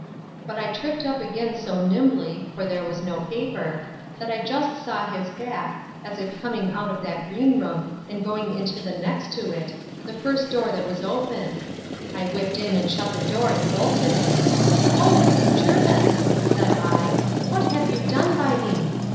But I tripped up again so nimbly, (for there was no paper,) that I just saw his back, as if coming out of that green room, and going into the next to it, the first door that was open—I whipped in, and shut the door, and bolted it. O Mrs. Jervis! said I, what have you done by me?